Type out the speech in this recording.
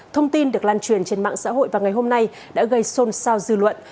thông tin được lan truyền trên mạng xã hội vào ngày hôm nay đã gây sôn sao dư luận